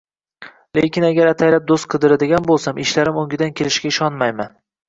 Lekin agar ataylab doʻst qidiradigan boʻlsam, ishlarim oʻngidan kelishiga ishonmayman